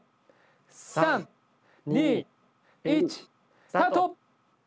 ３・２・１スタート！